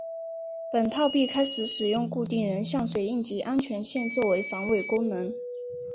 本套币开始使用固定人像水印及安全线作为防伪功能。